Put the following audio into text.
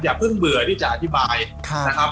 อย่าเพิ่งเบื่อที่จะอธิบายนะครับ